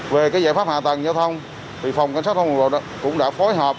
về giải pháp hạ tầng giao thông phòng cảnh sát thông cũng đã phối hợp